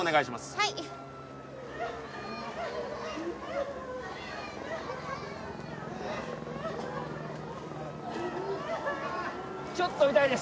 はいちょっと痛いです